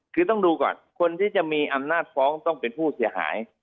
คือต้องดูก่อนคนที่จะมีอำนาจฟ้องต้องเป็นผู้เสียหาย